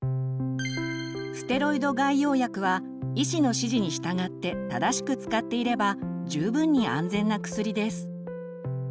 ステロイド外用薬は医師の指示に従って正しく使っていれば十分に安全な薬です。